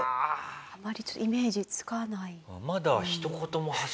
あまりイメージつかない。